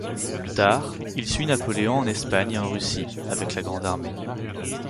Plus tard, il suit Napoléon en Espagne et en Russie avec la Grande Armée.